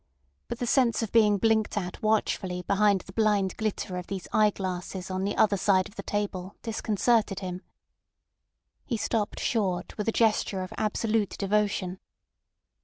But the sense of being blinked at watchfully behind the blind glitter of these eye glasses on the other side of the table disconcerted him. He stopped short with a gesture of absolute devotion.